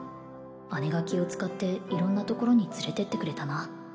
姉が気を使って色んなところに連れてってくれたな